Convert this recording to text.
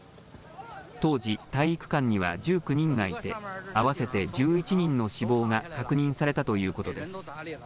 当時、体育館には１９人がいて合わせて１１人の死亡が確認されたということです。